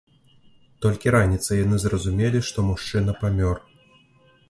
Толькі раніцай яны зразумелі, што мужчына памёр.